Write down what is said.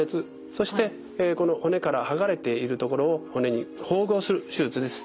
そしてこの骨から剥がれている所を骨に縫合する手術です。